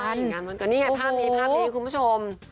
อ๋อใช่งานเหมือนกันนี่ไงภาพนี้ภาพนี้คุณผู้ชม